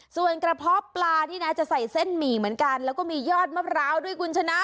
ส่วนกระเพาะปลานี่นะจะใส่เส้นหมี่เหมือนกันแล้วก็มียอดมะพร้าวด้วยคุณชนะ